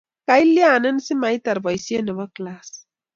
kalianin si maitar boisie nebo klass